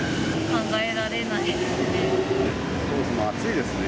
考えられないですね。